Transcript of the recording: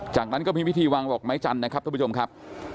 จากนั้นก็มีพิธีวางดอกไม้จันทร์นะครับท่านผู้ชมครับ